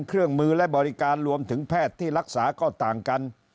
เครื่องมือและบริการรวมถึงแพทย์ที่รักษาก็ต่างกัน